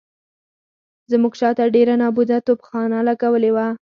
زموږ شاته ډېره نابوده توپخانه لګولې وه.